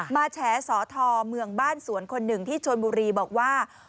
แฉสอทอเมืองบ้านสวนคนหนึ่งที่ชนบุรีบอกว่า